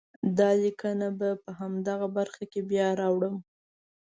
دا لیکنه به په همدغه برخه کې بیا راوړم.